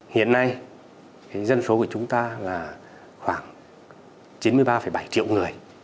hiện nay dân số của chúng ta là khoảng chín mươi ba bảy triệu người